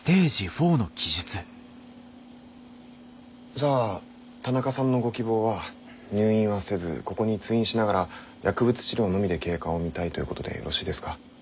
じゃあ田中さんのご希望は入院はせずここに通院しながら薬物治療のみで経過を見たいということでよろしいですか？